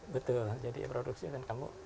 betul jadi produksi dan kamu